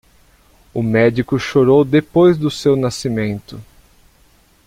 O médico chorou depois do seu nascimento.